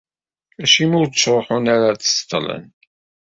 Acimi ur ttruḥun ara ad d-ṣeṭṭlen?